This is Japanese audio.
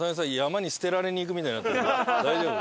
大丈夫？